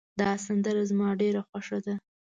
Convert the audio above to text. دا سندره زما ډېره خوښه ده